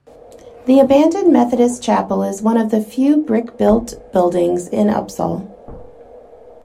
The abandoned Methodist chapel is one of the few brick-built buildings in Upsall.